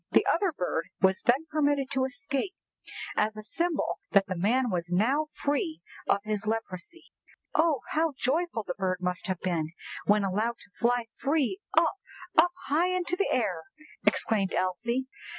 The other bird was then permitted to escape, as a symbol that the man was now free of his leprosy.'" "Oh, how joyful the bird must have been when allowed to fly free up—up high into the air!" exclaimed Elsie.